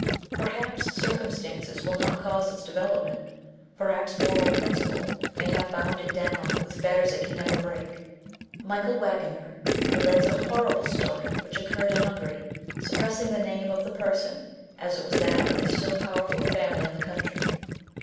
Perhaps circumstances will not cause its development; perhaps moral principle may have bound it down with fetters it can never break. Michael Wagener* relates a horrible story which occurred in Hungary, suppressing the name of the person, as it was that of a still powerful family in the country.